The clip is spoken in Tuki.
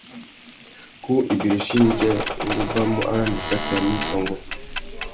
Ku ibirichi indjê, ngu ubamú arandissaki amê i tôngô.